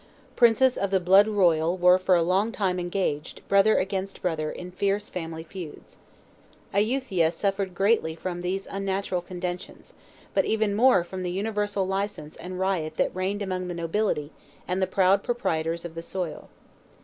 Princes of the blood royal were for a long time engaged, brother against brother, in fierce family feuds. Ayuthia suffered gravely from these unnatural contentions, but even more from the universal license and riot that reigned among the nobility and the proud proprietors of the soil.